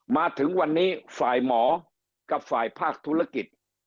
มาถึงวันนี้ฝ่ายหมอกับฝ่ายภาคธุรกิจ